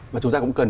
và chúng ta cũng cần